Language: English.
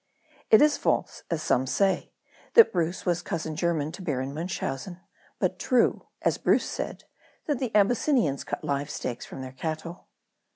It is false, as some say, that Bruce was cousin german to Baron Munchausen ; but true, as Bruce said, that the Abysinnians cut live steaks from their cattle.